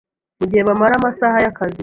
mu gihe bamara masaha y’akazi